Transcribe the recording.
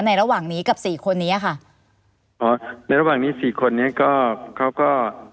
ระหว่างนี้กับสี่คนนี้ค่ะอ๋อในระหว่างนี้สี่คนนี้ก็เขาก็